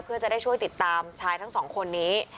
เพื่อจะได้ช่วยติดตามชายทั้งสองคนนี้